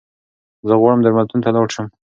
زه غواړم درملتون ته لاړشم